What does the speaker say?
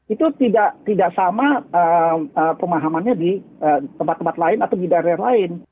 itu tidak sama pemahamannya di tempat tempat lain atau di daerah lain